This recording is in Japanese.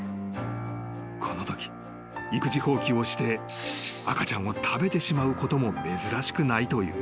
［このとき育児放棄をして赤ちゃんを食べてしまうことも珍しくないという］